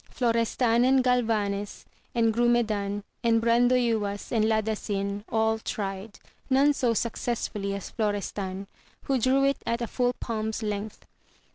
Florestan and Galvanes, and Grumedan, and Brandoyuas, and Ladasin, all tried, none so successfully as Florestan, who drew it at a full palm's length.